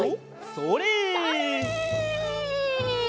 それ！